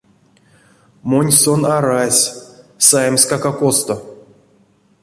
Монь сон арась, саемскак а косто.